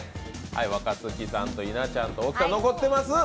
若槻さんといなちゃんと大木さんが残ってます。